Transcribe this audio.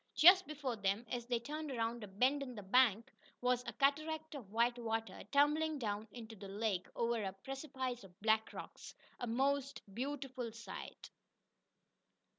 Just before them, as they turned around a bend in the bank, was a cataract of white water, tumbling down into the lake over a precipice of black rocks a most beautiful sight.